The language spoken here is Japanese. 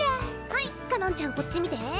はいかのんちゃんこっち見て。